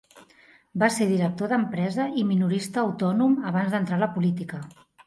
Va ser director d'empresa i minorista autònom abans d'entrar a la política.